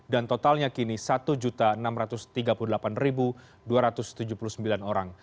dan totalnya kini satu enam ratus tiga puluh delapan dua ratus tujuh puluh sembilan orang